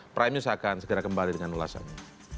prime news akan segera kembali dengan ulasannya